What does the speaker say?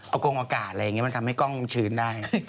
เอากงอากาศอะไรอย่างนี้มันทำให้กล้องชื้นได้